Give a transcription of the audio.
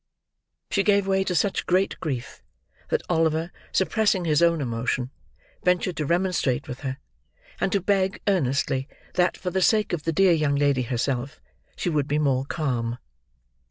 She gave way to such great grief, that Oliver, suppressing his own emotion, ventured to remonstrate with her; and to beg, earnestly, that, for the sake of the dear young lady herself, she would be more calm.